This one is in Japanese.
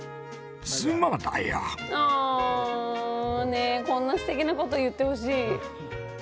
ねえこんなすてきなこと言ってほしい。